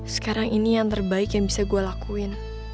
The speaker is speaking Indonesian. sekarang ini yang terbaik yang bisa gue lakuin